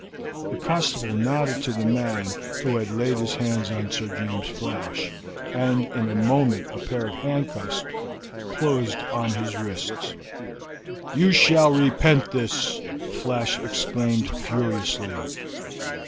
The constable nodded to the man who had laid his hands on Sir James Flash, and in a moment a pair of handcuffs closed on his wrists. "You shall repent this!" Flash exclaimed furiously.